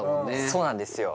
そうなんですよ